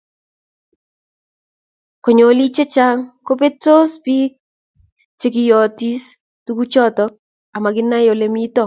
konyil chechang kobetsot biik chegiyoogiis tuguchoto amaginae olemito